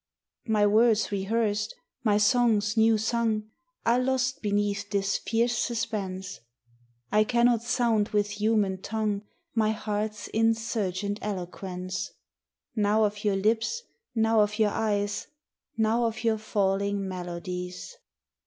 My words rehearsed, my songs new sung, Are lost beneath this fierce suspense, I cannot sound with human tongue My heart's insurgent eloquence, Now of your lips, now of your eyes, Now of your falling melodies